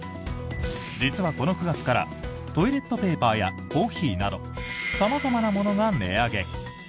実はこの９月からトイレットペーパーやコーヒーなど様々なものが値上げ。